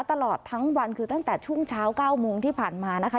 ตลอดทั้งวันคือตั้งแต่ช่วงเช้า๙โมงที่ผ่านมานะคะ